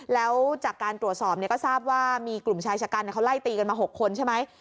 แล้วจากการตรวจสอบก็ทราบว่ามีกลุ่มชายชะกันเขาไล่ตีกันมา๖คนใช่ไหม